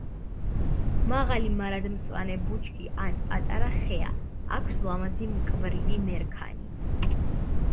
მაღალი მარადმწვანე ბუჩქი ან პატარა ხეა, აქვს ლამაზი მკვრივი მერქანი.